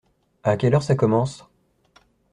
À quelle heure ça commence ?